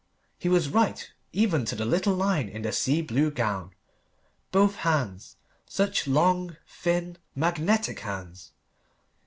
He was right, even to the little line in the sea blue gown. Both hands; such long, thin, magnetic hands.